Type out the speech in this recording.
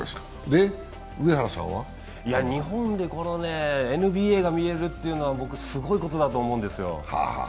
で、上原さんは？日本でＮＢＡが見れるっていうのはすごいことだと思うんですよ。